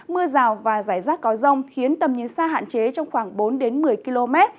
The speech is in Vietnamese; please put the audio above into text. mưa rào và rải rác có rông khiến tầm nhìn xa hạn chế trong khoảng bốn một mươi km